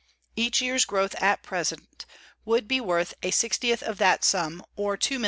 Each year's growth at present would be worth a sixtieth of that sum, or $2,750,000.